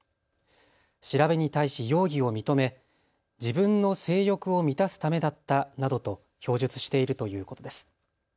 調べに対し容疑を認め自分の性欲を満たすためだったなどと供述しているということです。